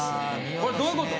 これどういうこと？